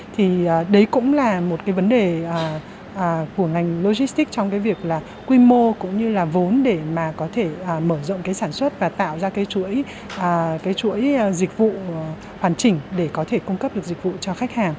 thì đấy cũng là một cái vấn đề của ngành logistics trong cái việc là quy mô cũng như là vốn để mà có thể mở rộng cái sản xuất và tạo ra cái chuỗi cái chuỗi dịch vụ hoàn chỉnh để có thể cung cấp được dịch vụ cho khách hàng